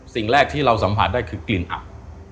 สิ่งแรกที่เราสัมผัสได้คือกลิ่นอับ